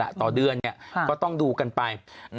ต่อเดือนก็ต้องดูกันไป